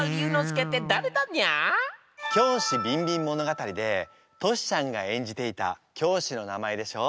「教師びんびん物語」でトシちゃんが演じていた教師の名前でしょ。